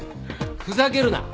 ふざけるな。